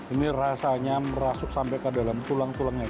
ini rasanya merasuk sampai ke dalam tulang tulangnya